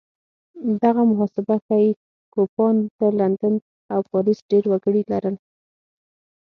دغه محاسبه ښيي کوپان تر لندن او پاریس ډېر وګړي لرل.